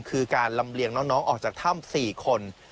คือการลำเลียงน้องออกจากถ้ำ๔คน